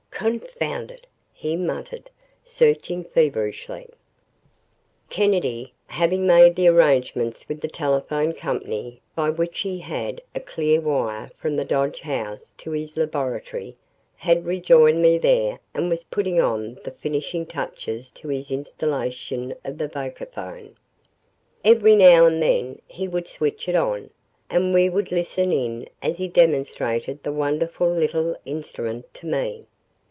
"Confound it!" he muttered, searching feverishly. ........ Kennedy, having made the arrangements with the telephone company by which he had a clear wire from the Dodge house to his laboratory, had rejoined me there and was putting on the finishing touches to his installation of the vocaphone. Every now and then he would switch it on, and we would listen in as he demonstrated the wonderful little instrument to me.